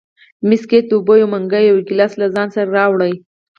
مس ګېج د اوبو یو منګی او یو ګیلاس له ځان سره راوړ.